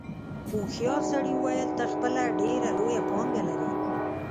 هوښیار سړي وویل ته خپله ډېره لویه پانګه لرې.